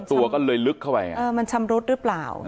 ตัวก็เลยลึกเข้าไปมันชำรุดหรือเปล่า